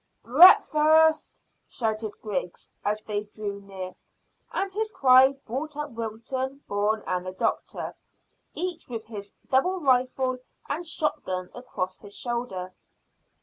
"Breakfast," shouted Griggs as they drew near, and his cry brought up Wilton, Bourne, and the doctor, each with his double rifle and shot gun across his shoulder.